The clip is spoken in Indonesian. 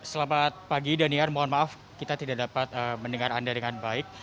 selamat pagi daniar mohon maaf kita tidak dapat mendengar anda dengan baik